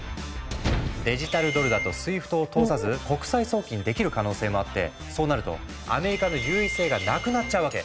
デジタルドルだとＳＷＩＦＴを通さず国際送金できる可能性もあってそうなるとアメリカの優位性がなくなっちゃうわけ。